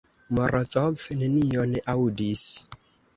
Morozov nenion aŭdis.